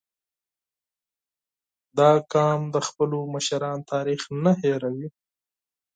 • دا قوم د خپلو مشرانو تاریخ نه هېرېږي.